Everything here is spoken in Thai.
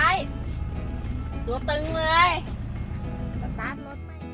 กินข้าวขอบคุณครับ